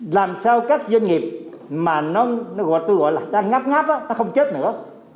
làm sao các doanh nghiệp mà nó gọi tôi gọi là ta ngáp ngáp á ta không chết nữa